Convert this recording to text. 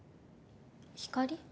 光？